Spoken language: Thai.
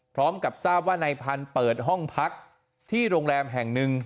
พร้อมกับทราบว่านายพันธุ์เปิดห้องพักที่โรงแรมแห่งหนึ่ง